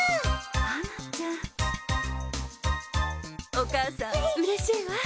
お母さんうれしいわ。